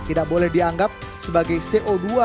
tidak boleh dianggap sebagai co dua